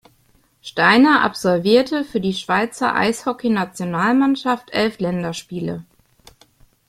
Steiner absolvierte für die Schweizer Eishockeynationalmannschaft elf Länderspiele.